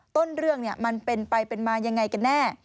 ต้นเรื่องมันเป็นไปเป็นมายังไงกันแน่